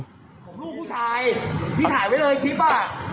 ของลูกผู้ชายพี่ถ่ายไว้เลยคลิปอ่ะ